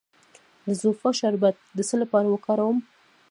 د زوفا شربت د څه لپاره وکاروم؟